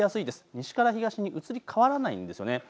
西から東、移り変わらないんですよね。